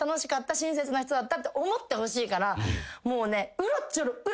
親切な人だった」と思ってほしいからもうね。